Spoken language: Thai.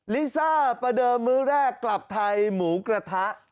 ลิซ่าประเดิมมื้อแรกกลับไทยหมูกระทะ